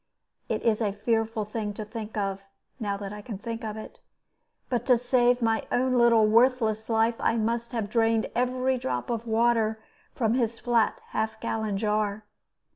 It is a fearful thing to think of now that I can think of it but to save my own little worthless life I must have drained every drop of water from his flat half gallon jar.